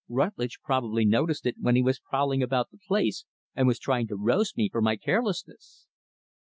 Rutlidge probably noticed it when he was prowling about the place, and was trying to roast me for my carelessness."